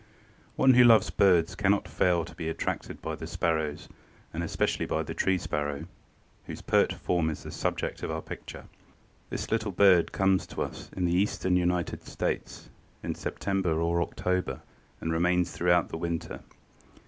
_ One who loves birds cannot fail to be attracted by the sparrows and especially by the Tree Sparrow, whose pert form is the subject of our picture. This little bird comes to us in the Eastern United States in September or October and remains throughout the winter.